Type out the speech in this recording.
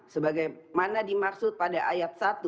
sebagaimana dimaksud pada ayat satu